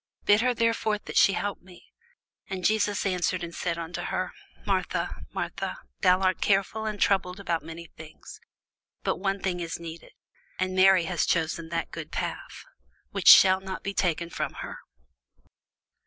bid her therefore that she help me. And Jesus answered and said unto her, Martha, Martha, thou art careful and troubled about many things: but one thing is needful: and Mary hath chosen that good part, which shall not be taken away from her.